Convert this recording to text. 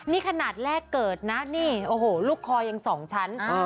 นี่ขนาดแรกเกิดนะนี่โอ้โหลูกคอยังสองชั้น